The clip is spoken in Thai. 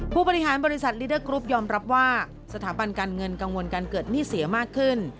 ผู้บริหารบริษัทลิเดอร์กรุ๊ปยอมรับว่าสถาบันการเงินกังวลการเกิดหนี้เสียมากขึ้น